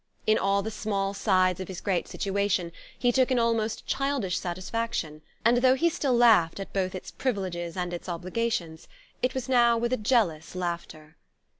In all the small sides of his great situation he took an almost childish satisfaction; and though he still laughed at both its privileges and its obligations, it was now with a jealous laughter.